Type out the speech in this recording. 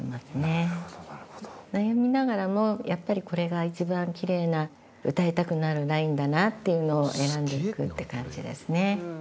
悩みながらもやっぱりこれが一番キレイな歌いたくなるラインだなっていうのを選んでいくって感じですね。